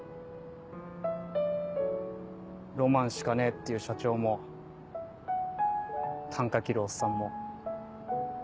ロマンしかねえっていう社長もたんか切るおっさんも。